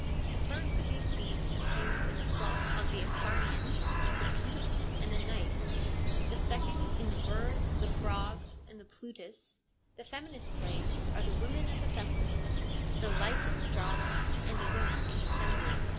The first of these themes appears in the plot of the Acharnians, the Peace, and the Knights ; the second in the Birds, the Frogs, and the Plutus ; the feminist plays are the Women at the Festival, the Lysistrata, and the Women in Assembly.